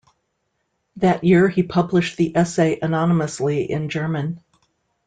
That year he published the essay anonymously in German.